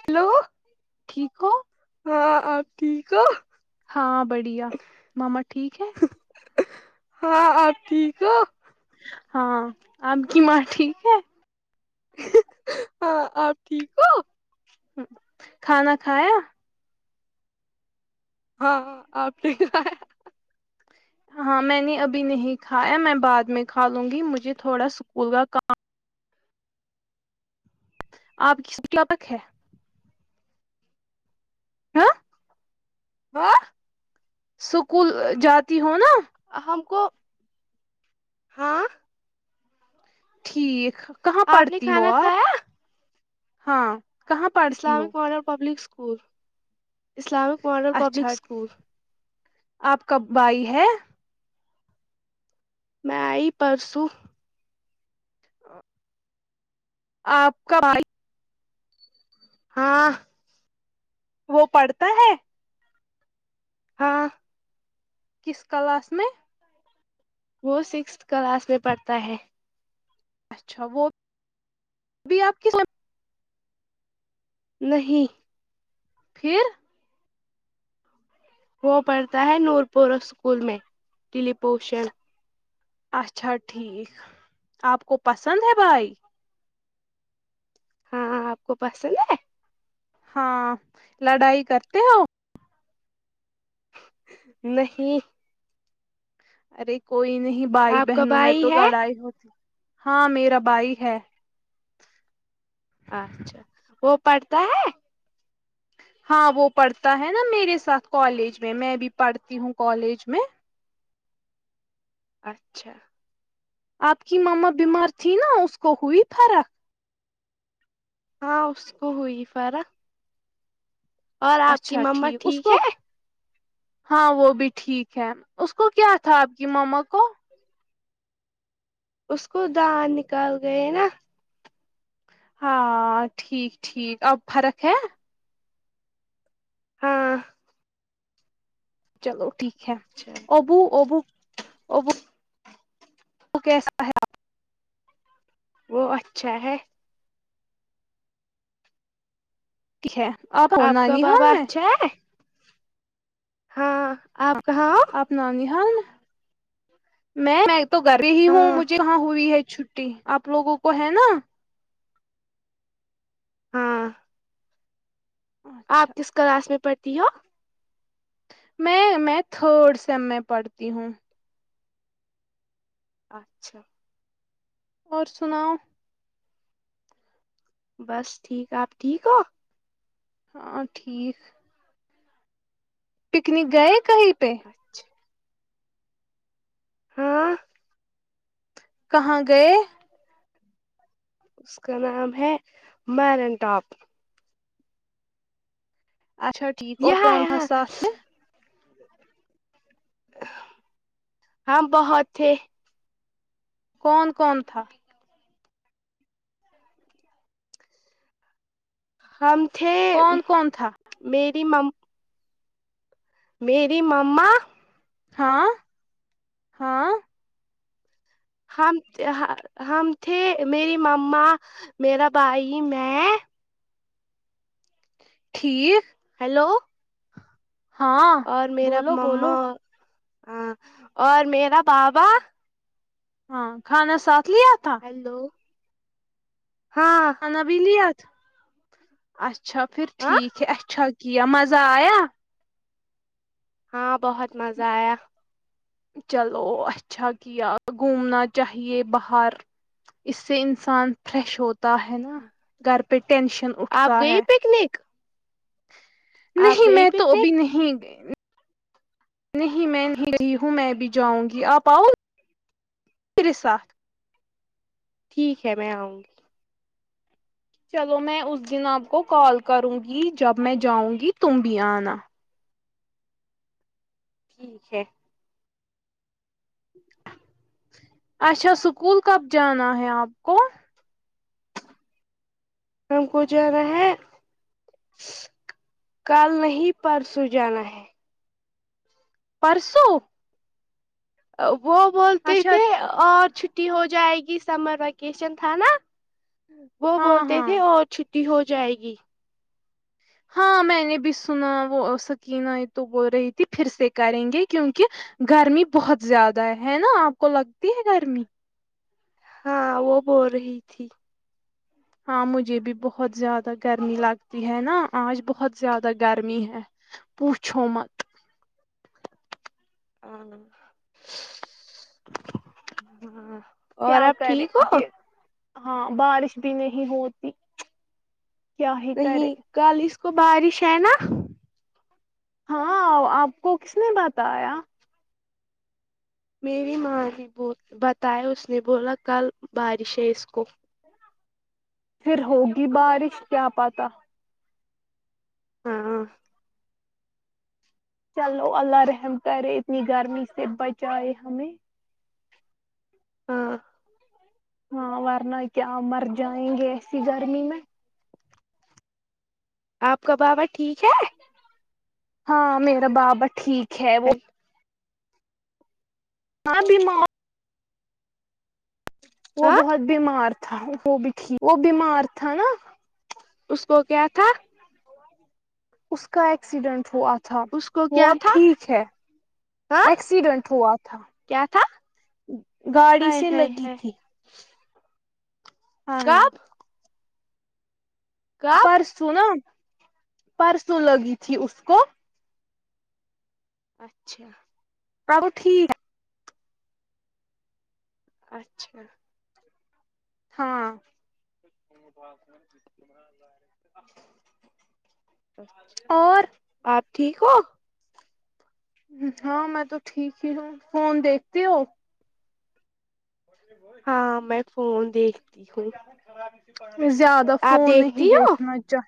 hello ٹھیک ہو ہاں آپ ٹھیک ہو ہاں بڑھیا ماما ٹھیک ہے ہاں آپ ٹھیک ہو ہاں آپ کی ماں ٹھیک ہے ہاں آپ ٹھیک ہو کھانا کھایا ہاں آپ نے کھایا ہاں میں نے ابھی نہیں کھایا میں بعد میں کھا لوں گی مجھے تھوڑا اسکول کا کام آپ کس [unintelligible] ہے ہاں ہاں سکول جاتی ہو نا ہم کو ہاں ٹھیک کہاں آپ نے پڑھتی ہو کھانا آپ کھایا ہاں کہاں پڑھتی ہو Islamic model public school Islamic model public اچھا اسکول آپ کب آںی ہے میں آئی پرسوں آ آپ کا بھائی ہاں وہ پڑھتا ہے ہاں کس کلاس میں وہ سکستھ کلاس میں پڑھتا ہے اچھا وہ ابھی آپ کی نہیں پھر وہ پڑھتا ہے نور پور اسکول میں لی پوشن اچھا ٹھیک آپ کو پسند ہے بھائی ہاں آپ کو پسند ہے ہاں لڑائی کرتے ہو نہیں ارے کوئی نہیں بھائی آپ کا بہنوں میں بھائی تو ہے لڑائی ہوتی ہاں میرا بھائی ہے اچھا وہ پڑھتا ہے ہاں وہ پڑھتا ہے نا میرے ساتھ کالج میں میں بھی پڑھتی ہوں کالج میں اچھا آپ کی ماما بیمار تھی نا اس کو ہوئی فرق ہاں اس کو ہوئی فرق اور آپ کی اچھا مما ٹھیک اسکو ہے ہاں وہ بھی ٹھیک ہے اس کو کیا تھا آپ کی ماما کو اس کو دان نکال گئے نا ہاں ٹھیک ٹھیک اب فرق ہے ہاں چلو ٹھیک ہے اچھا ابو ابو ابو کیسا ہے اب وہ اچھا ہے تی ہے آپ ہو کا نانی حال بابا میں اچھا ہے ہاں آپ کہاں ہو آپ نانی حال مے میں میں تو گھر پے ہی ہوں ہاں مجھے کہاں ہوئی ہے چھٹی آپ لوگوں کو ہے نا ہاں اچھا آپ کس کلاس میں پڑھتی ہو میں میں تھرڈ سیم میں پڑھتی ہوں اچھا اور سناؤ بس ٹھیک آپ ٹھیک ہو ہاں ٹھیک پکنک گئے کہیں پے اچھا ہاں کہاں گئے اس کا نام ہے میرنٹاپ اچھا ٹھیک اور یہاں کون تھا یہاں ساتھ میں ہم بہت تھے کون کون تھا ہم تھے کون کون تھا میری مم میری مما ہاں ہاں ہم ہم تھے میری مما میریرا بھائی میں ٹھیک ہیلو ہاں اور میرا بولو بولو مما ہاں اور میرا بابا ہاں کھانا ساتھ لیا تھا ہیلو ہاں قابیلیت اچھا پھر ہاں ٹھیک ہے اچھا کیا مزہ آیا ہاں بہت مزہ آیا چلو اچھا کیا گھومنا چاہیے باہر اس سے انسان فریش ہوتا ہے نا گھر پہ ٹینشن آپ اٹھتا گئی ہے پکنک آپ نہیں گئی میں تو ابھی پکنک نہیں نہیں میں نہیں رہی ہوں میں بھی جاؤں گی آپ آؤ پھر سات ٹھیک ہے میں آؤں گی چلو میں اس دن آپ کو کال کروں گی جب میں جاؤں گی تم بھی آنا ٹھیک ہے اچھا سکول کب جانا ہے آپ کو ہم کو جارہا ہے کل نہیں پرسوں جانا ہے پرسوں وہ بولتی اچھا کے آج چھ ٹی ہو جائے گی سمر ویکیشن تھا نا وہ ہاں بولتے ہاں تھے اور چھٹی ہو جائے گی ہاں میں نے بھی سنا وہ سکینہ یہ تو بول رہی تھی پھر سے کریں گے کیونکہ گرمی بہت زیادہ ہے ہے نا آپ کو لگتی ہے گرمی ہاں وہ بول رہی تھی ہاں مجھے بھی بہت زیادہ گرمی لگتی ہے نا آج بہت زیادہ گرمی ہے پوچھو مت ہاں ہاں اور کیا آپ کریں ٹھیک ہو جی ہاں بارش بھی نہیں ہوتی کیا ہی کرے نہیں کل اس کو بارش ہے نا ہاں آپ کو کس نے بتایا میری ماں بھی بتائے اس نے بولا کل بارش ہے اس کو پھر ہوگی بارش کیا پتہ ہاں چلو اللہ رحم کرے اتنی گرمی سے بچائے ہمیں ہاں ہاں ورنہ کیا مر جائیں گے ایسی گرمی میں آپ کا بابا ٹھیک ہے ہاں میرا بابا ٹھیک ہے وہ ہاں بیم وہ ہاں بہت بیمار تھا وہ بھی ٹھیک وہ بیمار تھا نا اس کو کیا تھا اس کا ایکسیڈنٹ ہوا تھا اس کو وہ کیا اب تھا ٹھیک ہے ہاں ایکسیڈنٹ ہوا تھا کیا تھا گاڑی ہائے سے ہائے لگی ہائے تھی ہاں کب کب پرسوں نا پرسوں لگی تھی اس کو اچھا توب ٹھیک ہے اچھا ہاں [unintelligible] اور آپ ٹھیک ہو ہاں میں تو ٹھیک ہی ہوں فون دیکھتی ہو ہاں میں فون دیکھتی ہوں زیاد زیادہ آپ فون نہیں دیکھتی ہو دیکھنا چاہ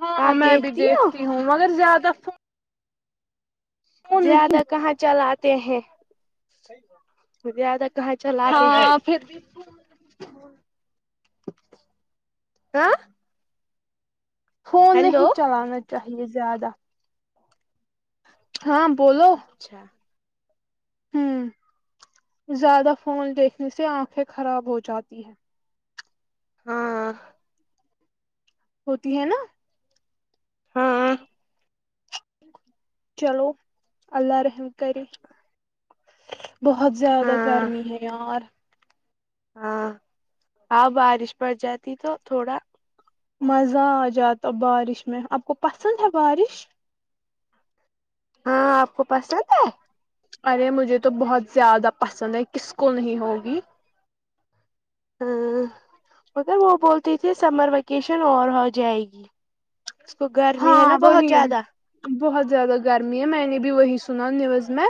ہاں آپ میں بھی ہو دیکھتی ہوں مگر زیادہ فون فون نہیں زیادہ کہاں چلاتے ہیں [unintelligible] وہ زیادہ کہاں چلاتے ہیں ہاں پھر بھی ہاں فون ہیلو نہیں چلانا چاہیے زیادہ ہاں بولو اچھا ہوں زیادہ فون دیکھنے سے آنکھیں خراب ہو جاتی ہے ہاں ہوتی ہے نا ہاں چلو اللہ رحم کرے بہت زیادہ ہاں گرمی ہے یار ہاں ہاں بارش پڑ جاتی تو تھوڑا مزہ آ جاتا بارش میں آپ کو پسند ہے بارش ہاں آپ کو پسند ہے ارے مجھے تو بہت زیادہ پسند ہے کس کو نہیں ہوگی ہاں مگر وہ بولتی تھی سمر ویکیشن اور ہو جائے گی اس کو گرمی ہے نا ہاں بہت وہی زیادہ بہت زیادہ گرمی ہے میں نے بھی وہی سنا نیوز میں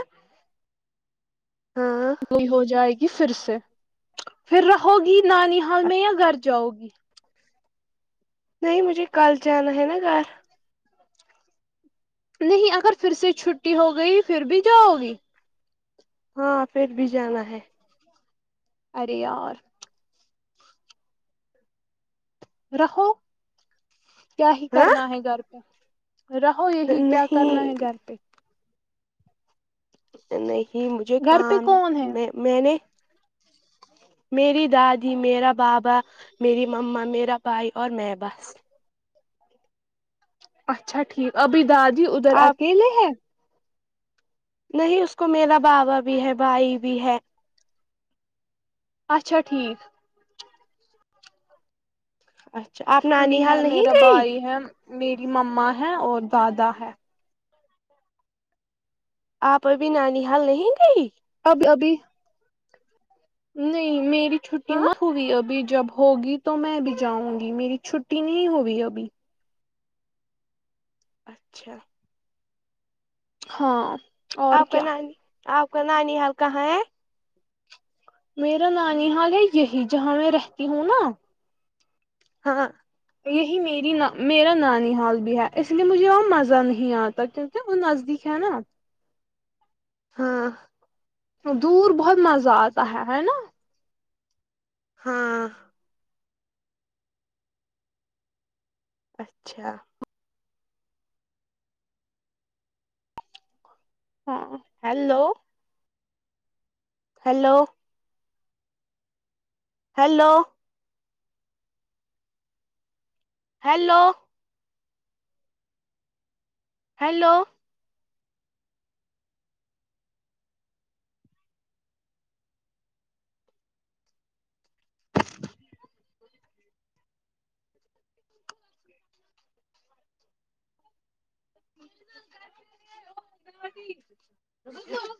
ہاں گئی ہو جائے گی پھر سے پھر رہو گی نانی حال میں یا گھر جاؤ گی نہیں مجھے کل جانا ہے نا گھر نہیں اگر پھر سے چھٹی ہو گئی پھر بھی جاؤ گی ہاں پھر بھی جانا ہے ارے یار رہو کیا ہی ہاں کرنا ہے گھر پہ رہو یہیں کیا کرنا ہے نہیں گھر پہ نہیں مجھے گھر پہ کام کون ہے میں میں نے میری دادی میرا بابا میری مما میرا بھائی اور میں بس اچھا ٹھیک ابھی دادی ادھر آپ اکیلے ہے نہیں اس کو میرا بابا بھی ہے بھائی بھی ہے اچھا ٹھیک اچھا آپ ہم نانی بھی حال ہے نہیں میرا گئی بھائی ہے میری مما ہے اور دادا ہے آپ ابھی نانی حال نہیں گئی ابھی ابی نہیں میری چھٹی ہاں مت ہوئی ابھی جب ہوگی تو میں بھی جاؤں گی میری چھٹی نہیں ہوئی ابھی اچھا ہاں اور آپ کا کیا نانی آپ کا نانی حال کہاں ہے میرا نانی حال ہے یہیں جہاں میں رہتی ہوں نا ہاں یہی میری ا میرا نانی حال بھی ہے اس لیے مجھے یہاں مزہ نہیں آتا کیونکہ وہ نزدیک ہے نا ہاں دور بہت مزہ آتا ہے ہے نا ہاں اچھا ہاں hello hello hello hello hello [unintelligible]